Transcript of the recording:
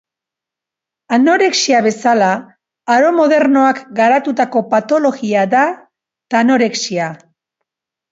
Anorexia bezala, aro modernoak garatutako patologia da tanorexia.